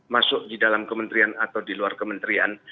masuk di dalam kementerian atau di luar kementerian